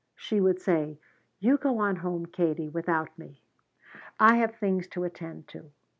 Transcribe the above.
She would say, 'You go on home, Katie, without me. I have things to attend to.'